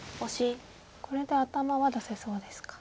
これで頭は出せそうですか。